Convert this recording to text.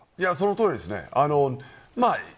その通りですね。